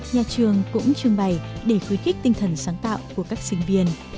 nhà trường cũng trương bày để khuy kích tinh thần sáng tạo của các sinh viên